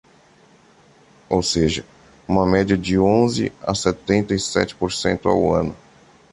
Ou seja, uma média de onze a setenta e sete por cento ao ano.